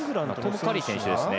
トム・カリー選手ですね。